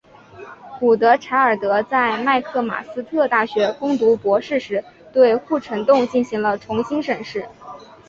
古德柴尔德在麦克马斯特大学攻读博士时对护城洞进行了重新审视。